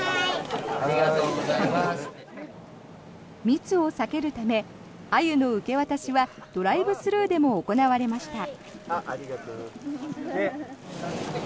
密を避けるためアユの受け渡しはドライブスルーでも行われました。